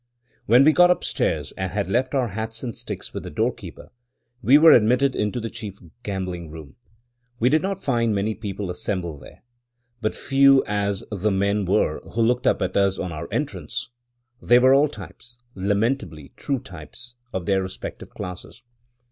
When we got upstairs, and had left our hats and sticks with the doorkeeper, we were admitted into the chief gambling room. We did not find many people assembled there. But, few as the men were who looked up at us on our entrance, they were all types — lamentably true types — of their respective classes.